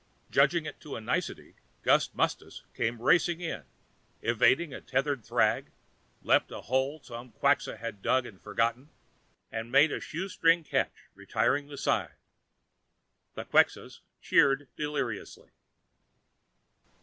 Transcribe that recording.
Judging it to a nicety, Gust Mustas came racing in, evaded a tethered thrag, leaped a hole some Quxa had dug and forgotten, and made a shoestring catch, retiring the side. The Quxas cheered deliriously.